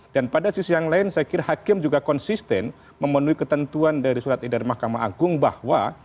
dan pada sisi yang lain saya kira hakim juga konsisten memenuhi ketentuan dari surat idar mahkamah agung bahwa